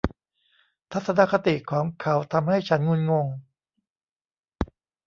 ทัศนคติของเขาทำให้ฉันงุนงง